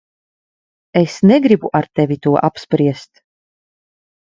Es negribu ar tevi to apspriest.